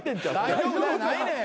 大丈夫だやないねん。